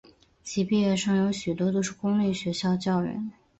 其毕业生有许多都是公立学校教员。